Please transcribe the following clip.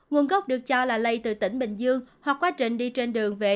nguồn gốc được cho là lây từ tỉnh bình dương hoặc quá trình đi trên đường về